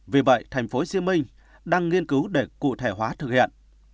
vì vậy tp hcm đang nghiên cứu để cụ thể hóa thực hiện